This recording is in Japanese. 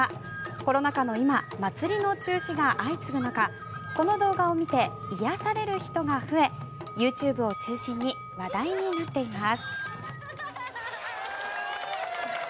コロナ禍の今祭りの中止が相次ぐ中この動画を見て癒やされる人が増えＹｏｕＴｕｂｅを中心に話題になっています。